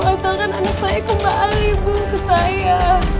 asalkan anak saya kembali bu ke saya